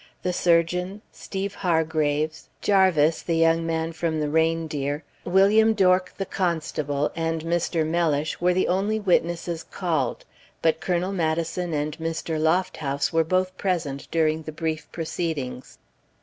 The surgeon, Steeve Hargraves, Jarvis, the young man from the Reindeer, William Dork, the constable, and Mr. Mellish were the only witnesses called; but Colonel Maddison and Mr. Lofthouse were both present during the brief proceedings.